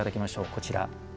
こちら。